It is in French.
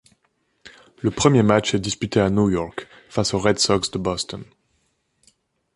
Le premier match est disputé à New York face aux Red Sox de Boston.